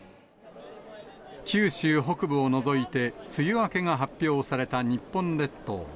九州北部を除いて梅雨明けが発表された日本列島。